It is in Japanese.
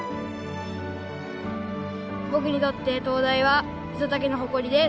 僕にとって灯台は五十猛の誇りです。